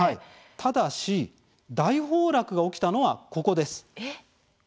ただし大崩落が起きたのはここです。